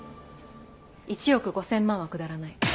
１億５０００万はくだらない。